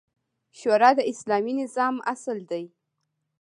شورا د اسلامي نظام اصل دی